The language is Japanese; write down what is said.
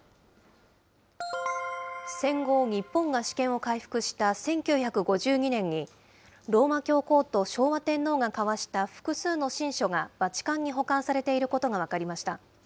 戦後、日本が主権を回復した１９５２年に、ローマ教皇と昭和天皇が交わした複数の親書がバチカンに保管されていることが分かりました。